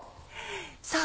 さぁ